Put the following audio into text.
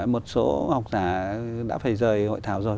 một số học giả đã phải rời hội thảo rồi